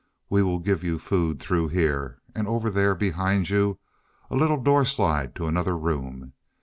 We will give you food through here. And over there behind you a little doorslide to another room.